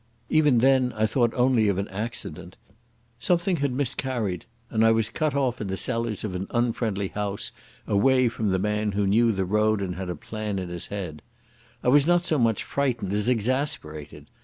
Even then I thought only of an accident. Something had miscarried, and I was cut off in the cellars of an unfriendly house away from the man who knew the road and had a plan in his head. I was not so much frightened as exasperated.